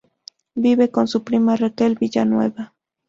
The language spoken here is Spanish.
Vive con su prima Raquel Villanueva.